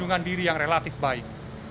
pengundungan diri yang relatif baik